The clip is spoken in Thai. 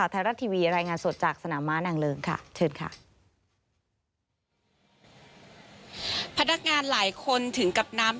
หลังจากที่ทีมข่าวสอบถามถึงการทำงานวันสุดท้าย